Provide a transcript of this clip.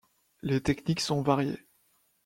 Les techniques sont variées.